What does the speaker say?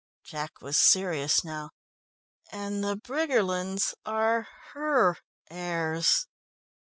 Jack was serious now. "And the Briggerlands are her heirs?